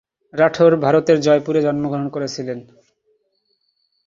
রাঠোর ভারতের জয়পুরে জন্মগ্রহণ করেছিলেন।